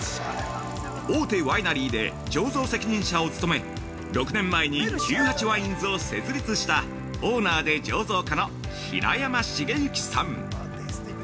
大手ワイナリーで醸造責任者を務め６年前に９８ＷＩＮＥｓを設立したオーナーで醸造家の平山繁之さん。